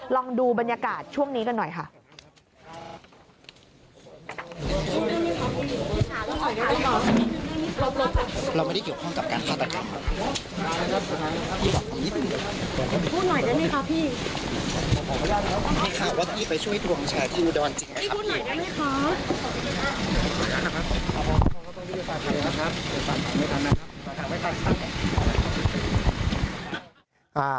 ลองดูบรรยากาศช่วงนี้กันหน่อยค่ะ